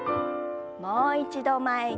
もう一度前に。